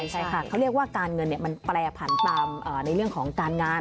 ใช่ค่ะเขาเรียกว่าการเงินมันแปรผันตามในเรื่องของการงาน